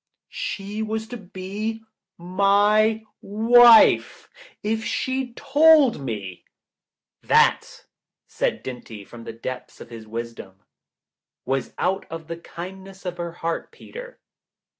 She was to be — my wife. If she'd told me —" "That," said Dinty, from the depths of his wisdom, "was out of the kindness of her heart, Peter.